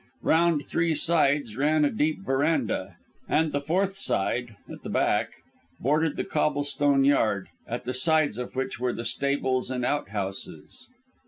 Round three sides ran a deep verandah, and the fourth side at the back bordered the cobble stone yard, at the sides of which were the stables and outhouses.